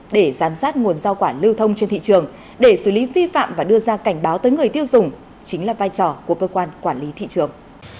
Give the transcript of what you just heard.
để giám sát nguồn rau quả lưu thông trên thị trường để xử lý vi phạm và đưa ra cảnh báo tới người tiêu dùng chính là vai trò của cơ quan quản lý thị trường